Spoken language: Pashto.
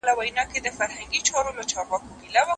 هغه لمرونو هغه واورو آزمېیلی چنار